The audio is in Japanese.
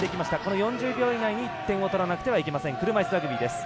４０秒以内に点を取らないといけません車いすラグビーです。